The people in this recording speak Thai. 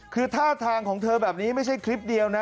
คือท่าทางของเธอแบบนี้ไม่ใช่คลิปเดียวนะ